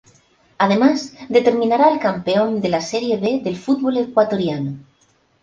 Además, determinará al campeón de la Serie B del fútbol ecuatoriano.